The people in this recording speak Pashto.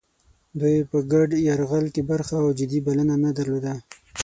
دوی په ګډ یرغل کې برخه او جدي بلنه نه درلوده.